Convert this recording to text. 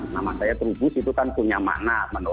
nama saya trubus itu kan punya makna